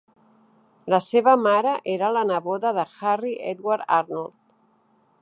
La seva mare era la neboda de Harry Edward Arnhold.